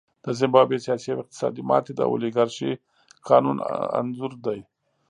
د زیمبابوې سیاسي او اقتصادي ماتې د اولیګارشۍ قانون انځور دی.